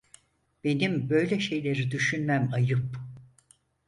Benim böyle şeyleri düşünmem ayıp!